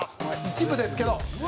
一部ですけど。